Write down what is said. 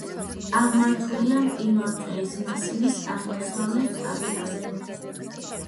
აღმართულია მყინვარწვერის მასივის აღმოსავლეთ კალთაზე.